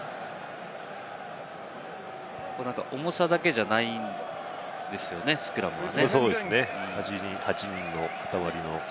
重さだけじゃないんですよね、スクラムは。